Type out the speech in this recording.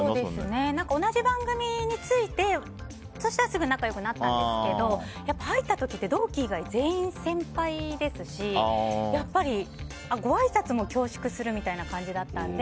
同じ番組について、そしたらすぐ仲良くなったんですけど入った時って同期以外、全員先輩ですしごあいさつも恐縮するみたいな感じだったので。